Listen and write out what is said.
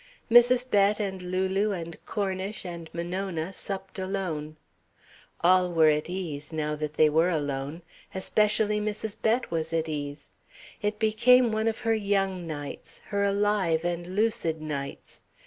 Mrs. Bett and Lulu and Cornish and Monona supped alone. All were at ease, now that they were alone. Especially Mrs. Bett was at ease. It became one of her young nights, her alive and lucid nights.